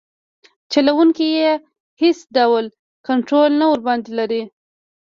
چلوونکي یې هیڅ ډول کنټرول نه ورباندې لري.